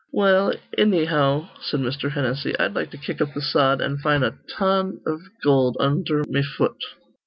"Well, annyhow," said Mr. Hennessy, "I'd like to kick up th' sod, an' find a ton iv gold undher me fut."